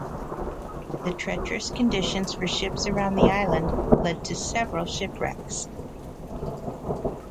The treacherous conditions for ships around the island led to several shipwrecks.